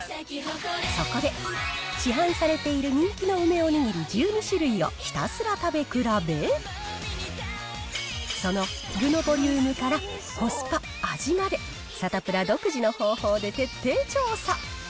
そこで、市販されている人気の梅おにぎり１２種類をひたすら食べ比べ、その具のボリュームから、コスパ、味まで、サタプラ独自の方法で徹底調査。